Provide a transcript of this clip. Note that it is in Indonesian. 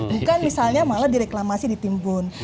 bukan misalnya malah direklamasi di timbun